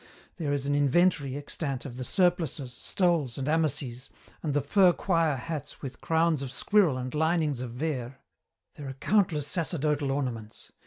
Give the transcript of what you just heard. There is an inventory extant of the surplices, stoles, and amices, and the fur choir hats with crowns of squirrel and linings of vair. There are countless sacerdotal ornaments.